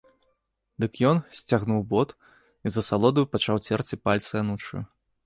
Дык ён сцягнуў бот і з асалодаю пачаў церці пальцы анучаю.